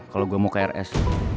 kalau gue mau ke rs